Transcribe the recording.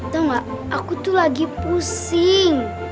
tengok aku tuh lagi pusing